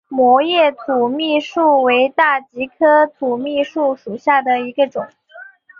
膜叶土蜜树为大戟科土蜜树属下的一个种。